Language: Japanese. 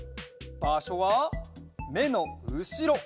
ばしょはめのうしろ